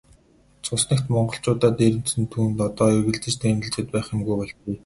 Цус нэгт монголчуудаа дээрэмдсэн түүнд одоо эргэлзэж тээнэгэлзээд байх юмгүй болжээ.